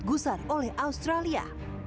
gusar oleh australia